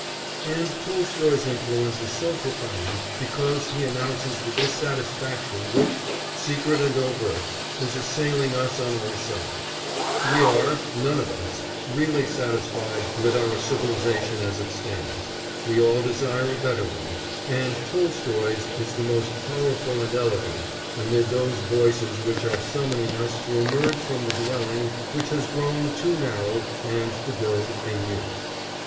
And Tolstoy's influence is so profound because he announces the dissatisfaction which, secret and overt, is assailing us on all sides; we are, none of us, really satisfied with our civilisation as it stands, we all desire a better one, and Tolstoy's is the most powerful and eloquent amid those voices which are summoning us to emerge from the dwelling which has grown too narrow and to build a new.